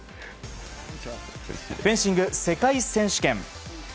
フェンシング世界選手権。